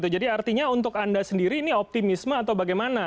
jadi artinya untuk anda sendiri ini optimisme atau bagaimana